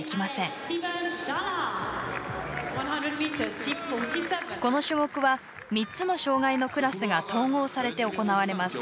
この種目は３つの障がいのクラスが統合されて行われます。